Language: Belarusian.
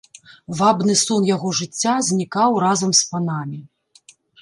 Вабны сон яго жыцця знікаў разам з панамі.